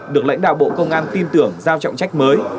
được lãnh đạo bộ công an tin tưởng giao trọng trách mới